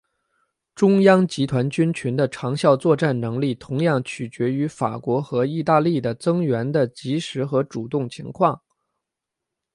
中央集团军群的长效作战能力同样取决于法国和意大利的增援的及时和主动情况。